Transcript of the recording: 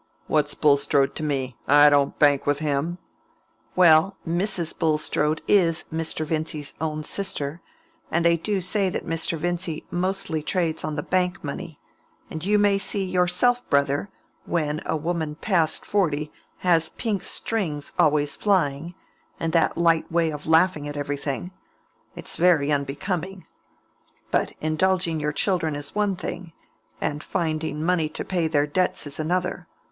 "What's Bulstrode to me? I don't bank with him." "Well, Mrs. Bulstrode is Mr. Vincy's own sister, and they do say that Mr. Vincy mostly trades on the Bank money; and you may see yourself, brother, when a woman past forty has pink strings always flying, and that light way of laughing at everything, it's very unbecoming. But indulging your children is one thing, and finding money to pay their debts is another.